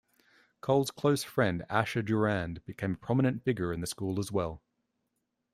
Cole's close friend, Asher Durand, became a prominent figure in the school as well.